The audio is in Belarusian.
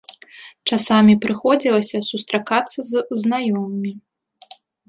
Часамі прыходзілася сустракацца з знаёмымі.